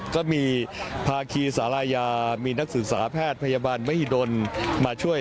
ก็มีภาคีสารายามีนักศึกษาแพทย์พยาบาลมหิดลมาช่วย